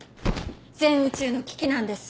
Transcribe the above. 全宇宙の危機なんです。